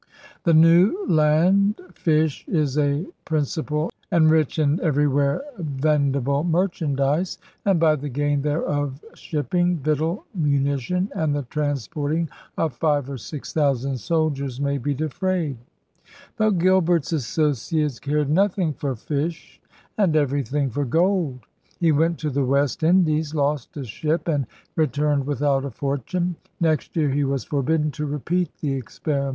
The New Land fish is a principal and rich and everywhere vendi ble merchandise; and by the gain thereof shipping, victual, munition, and the transporting of five or six thousand soldiers may be defrayed. ' But Gilbert's associates cared nothmg for fish and everything for gold. He went to the West Indies, lost a ship, and returned without a for tune. Next year he was forbidden to repeat the experiment.